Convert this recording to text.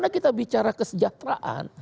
gimana kita bicara kesejahteraan